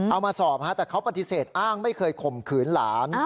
เอามาสอบแต่เขาปฏิเสธอ้างไม่เคยข่มขืนหลาน